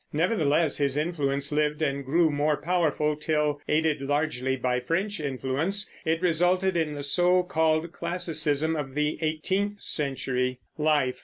Nevertheless his influence lived and grew more powerful till, aided largely by French influence, it resulted in the so called classicism of the eighteenth century. LIFE.